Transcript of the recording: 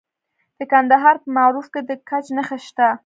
د کندهار په معروف کې د ګچ نښې شته.